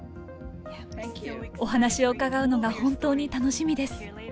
お話を伺うのが本当に楽しみです。